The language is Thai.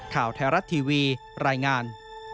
ข่าวไทยรัฐทีวีรายงาน